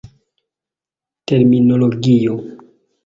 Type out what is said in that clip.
Terminologio.